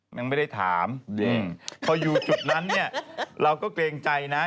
ยังไม่ได้ถามพออยู่จุดนั้นเนี่ยเราก็เกรงใจนะ